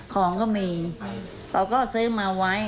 ของก็มีเขาก็ซื้อมาไว้